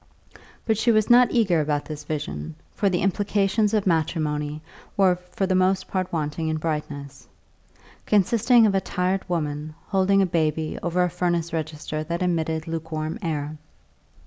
But she was not eager about this vision, for the implications of matrimony were for the most part wanting in brightness consisted of a tired woman holding a baby over a furnace register that emitted lukewarm air.